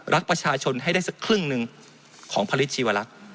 รักประชาชนให้ได้สักครึ่งหนึ่งของผลิตชีวลักษณ์